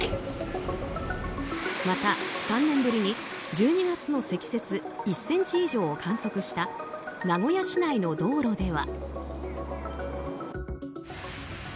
また、３年ぶりに１２月の積雪１ｃｍ以上を観測した名古屋市内の道路では。